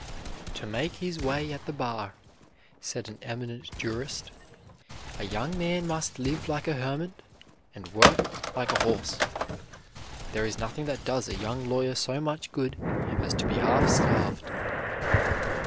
"To make his way at the bar," said an eminent jurist, "a young man must live like a hermit and work like a horse. There is nothing that does a young lawyer so much good as to be half starved."